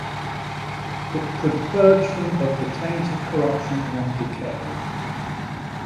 It could purge them of the taint of corruption and decay.